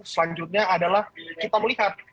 selanjutnya adalah kita melihat